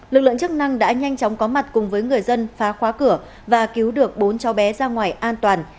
lực lượng chức năng đã nhanh chóng có mặt cùng với người dân phá khóa cửa và cứu được bốn cháu bé ra ngoài an toàn